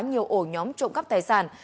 nhiều ổ nhóm trộm cắp tài sản